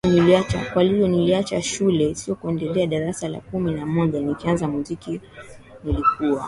Kwahiyo niliacha shule si kuendelea darasa la kumi na moja Nikaanza muziki Nilikuwa